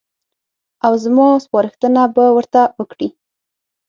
او زما سپارښتنه به ورته وکړي.